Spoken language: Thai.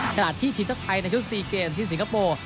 ขณะที่ทีมชาติไทยในชุด๔เกมที่สิงคโปร์